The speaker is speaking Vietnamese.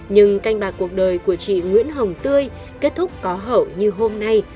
nhưng canh bạc cuộc đời của chị nguyễn hồng tươi kết thúc có hậu như hôm nay